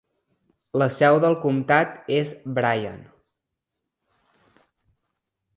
La seu del comtat és Bryan.